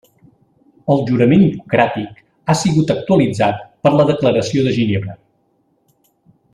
El jurament hipocràtic ha sigut actualitzat per la Declaració de Ginebra.